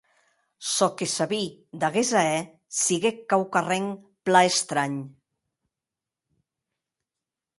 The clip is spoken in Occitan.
Çò que jo sabí d’aguest ahèr siguec quauquarren plan estranh.